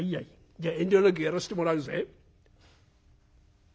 じゃ遠慮なくやらしてもらうぜ」。